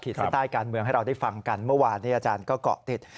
เส้นใต้การเมืองให้เราได้ฟังกันเมื่อวานนี้อาจารย์ก็เกาะติด